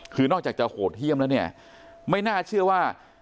คือนอกจากจะโหดเยี่ยมแล้วเนี่ยไม่น่าเชื่อว่า